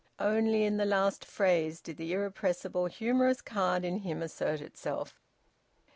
Only in the last phase did the irrepressible humorous card in him assert itself.